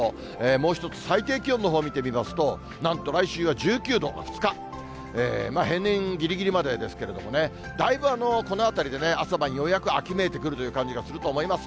もう一つ最低気温のほう見てみますと、なんと来週は１９度が２日、平年ぎりぎりまでですけれどもね、だいぶこのあたりでね、朝晩ようやく秋めいてくるという感じがすると思います。